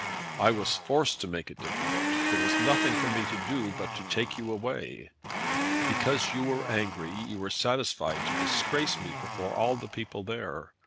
"I was forced to make it difficult. There was nothing for me to do but to take you away." "Because you were angry, you were satisfied to disgrace me before all the people there.